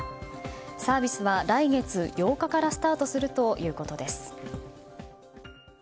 サービスは来月８日からスタートするということです。